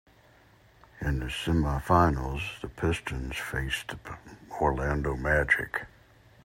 In the semifinals, the Pistons faced the Orlando Magic.